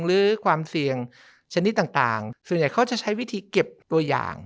หรือความเสี่ยงชนิดต่างส่วนใหญ่เขาจะใช้วิธีเก็บตัวอย่าง